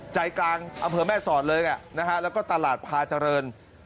ใจกลางอำเภอแม่สอดเลยแล้วก็ตลาดพาเจริญ